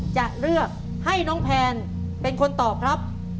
จะเลือกให้น้องแพนเป็นคนตอบครับ